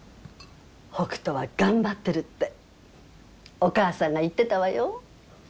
北斗は頑張ってるってお母さんが言ってたわよ。